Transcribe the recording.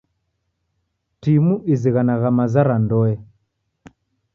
Timu izighanagha maza ra ndoe.